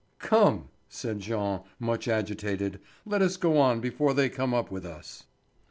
"Come," said Jean, much agitated. "Let us go on before they come up with us."